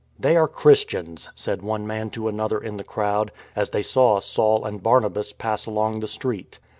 " They are Christians," said one man to another in the crowd, as they saw Saul and Barnabas pass along the street.